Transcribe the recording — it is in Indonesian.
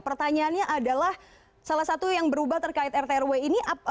pertanyaannya adalah salah satu yang berubah terkait rtrw ini